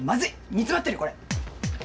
煮詰まってるこれ。